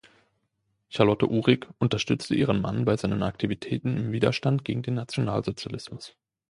Charlotte Uhrig unterstützte ihren Mann bei seinen Aktivitäten im Widerstand gegen den Nationalsozialismus.